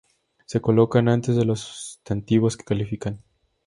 Se colocan antes de los sustantivos que califican.